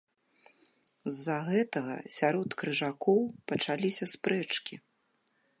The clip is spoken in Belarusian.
З-за гэтага сярод крыжакоў пачаліся спрэчкі.